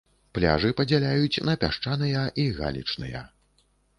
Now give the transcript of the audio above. Пляжы падзяляюць на пясчаныя і галечныя.